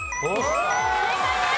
正解です。